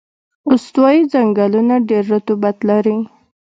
استوایي ځنګلونه ډېر رطوبت لري.